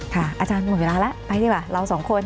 อาจารย์หมดเวลาแล้วไปดีกว่าเราสองคน